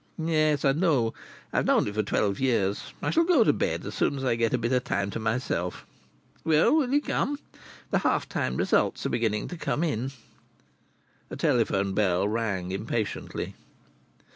"Yes. I know. I've known it for twelve years. I shall go to bed as soon as I get a bit of time to myself. Well, will you come? The half time results are beginning to come in." A telephone bell rang impatiently.